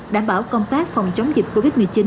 đảm bảo công tác phòng chống dịch covid một mươi chín